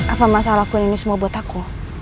apa masalah akun ini semua buat aku